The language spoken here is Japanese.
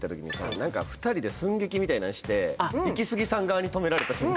何か２人で寸劇みたいなんしてイキスギさん側に止められた瞬間